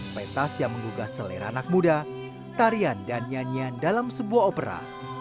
pentas yang menggugah selera anak muda tarian dan nyanyian dalam sebuah opera